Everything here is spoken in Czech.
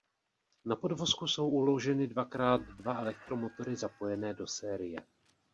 Na podvozku jsou uloženy dvakrát dva elektromotory zapojené do série.